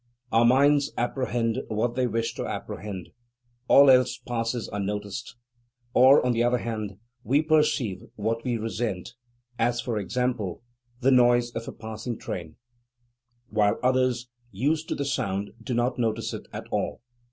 Our minds apprehend what they wish to apprehend; all else passes unnoticed, or, on the other hand, we perceive what we resent, as, for example, the noise of a passing train; while others, used to the sound, do not notice it at all.